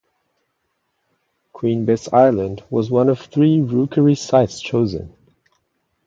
Queen Bess Island was one of three rookery sites chosen.